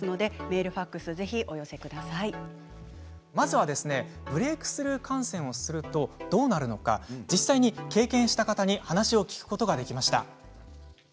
メール、ファックスをまずはブレークスルー感染をするとどうなるのか実際に経験された方にお話を聞くことができました。